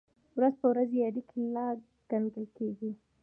ورځ په ورځ یې اړیکې لا ګنګل کېږي.